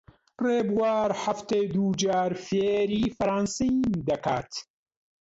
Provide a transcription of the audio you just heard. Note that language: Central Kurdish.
ڕێبوار هەفتەی دوو جار فێری فەڕەنسیم دەکات.